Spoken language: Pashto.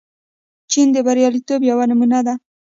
چین د بریالیتوب یوه نمونه ده.